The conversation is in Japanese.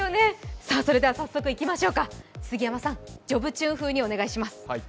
早速いきましょうか、杉山さん、「ジョブチューン」風にお願いします。